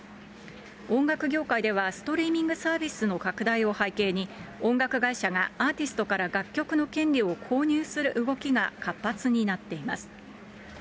音楽業界では、ストリーミングサービスの拡大を背景に、音楽会社がアーティストから楽曲の権利を購入する動きが活発になっています。